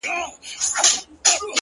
• چي پاڼه وشړېدل ـ